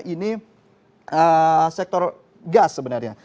ini sektor gas sebenarnya